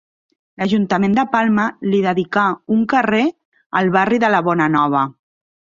L'Ajuntament de Palma li dedicà un carrer al barri de la Bonanova.